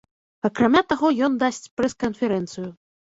Акрамя таго, ён дасць прэс-канферэнцыю.